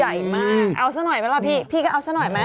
ใหญ่มากเอาซะหน่อยไหมล่ะพี่พี่ก็เอาซะหน่อยไหม